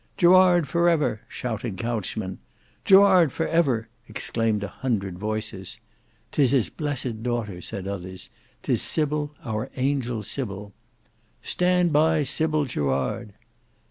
"Gerard forever!" shouted Couchman. "Gerard forever!" exclaimed a hundred voices. "'Tis his blessed daughter," said others; "'tis Sybil, our angel Sybil." "Stand by Sybil Gerard."